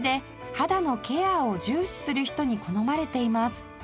肌のケアを重視する人に好まれています